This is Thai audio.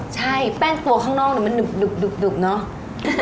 ใช่แป้งตัวข้างนอกมันดุบเนอะ